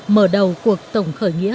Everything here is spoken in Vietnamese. mở đầu cuộc tổng khởi nghĩa